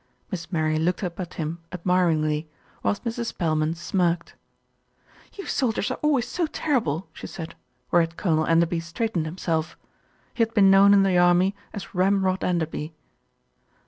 Miss Mary looked up at him admiringly, whilst Mrs. Spelman smirked. "You soldiers are always so terrible," she said, whereat Colonel Enderby straightened himself. He had been known in the army as Ramrod Enderby.